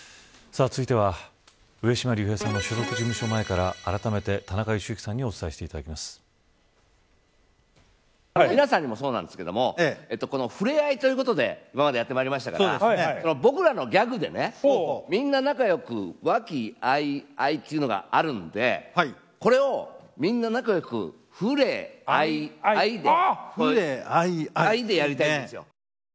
続いては上島竜兵さんの所属事務所前からあらためて田中良幸さんに皆さんにもそうなんですが触れ合いということで今までやってきましたが僕らのギャグでねみんな仲よく和気あいあいというのがあるんでこれを、みんな仲よく触れあいあいでやりたいんですよ